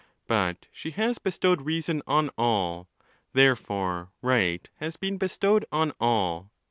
But she has bestowed reason on all, therefore right has been bestowed on all.